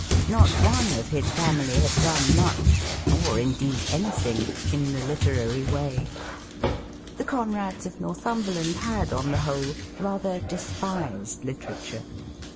Not one of his family had done much, or, indeed, anything, in the literary way. The Conrads of Northumberland had, on the whole, rather despised literatm e.